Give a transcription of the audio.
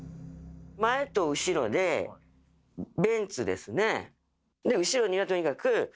前と後ろでベンツですね。